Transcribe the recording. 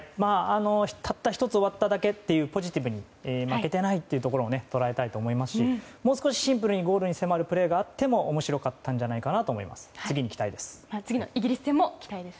たった１つ終わっただけとポジティブに負けてないと捉えたいと思いますしもう少しシンプルにゴールに迫るプレーがあっても面白かったんじゃないかなと思います。